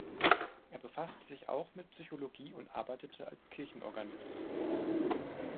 Er befasste sich auch mit Psychologie und arbeitete als Kirchenorganist.